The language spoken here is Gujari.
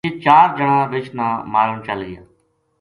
یہ چار جنا رچھ نا مارن چل گیا